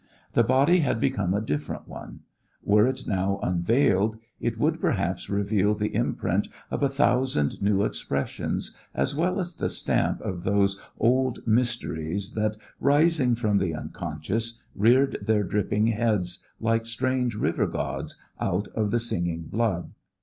The body had become a different one. Were it now unveiled, it would perhaps reveal the imprint of a thousand new expressions as well as the stamp of those old mysteries that, rising from the unconscious, reared their dripping heads like strange river gods out of the singing blood.